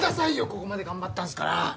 ここまで頑張ったんですから。